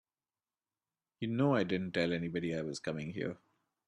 You know I didn't tell anybody I was coming here.